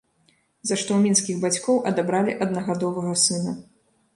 За што ў мінскіх бацькоў адабралі аднагадовага сына.